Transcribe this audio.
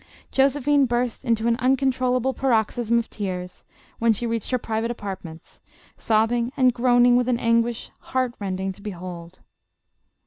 Josephine burst into an uncontrollable paroxysm of tears, when she reached her private apartments, sobbing and groaning with an anguish, heart rending to behold.